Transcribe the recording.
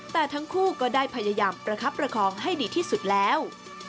แต่ทั้งคู่ก็ได้พยายามประคับประคองให้ดีที่สุดแล้ว